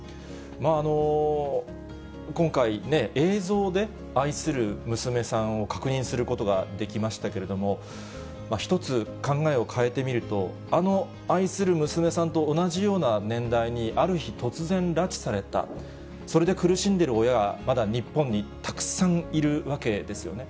今回、映像で愛する娘さんを確認することができましたけれども、一つ考えを変えてみると、あの愛する娘さんと同じような年代に、ある日、突然拉致された、それで苦しんでいる親が、まだ日本にたくさんいるわけですよね。